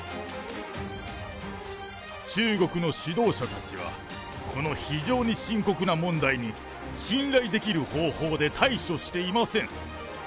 中国の指導者たちは、この非常に深刻な問題に、信頼できる方法で対処していません。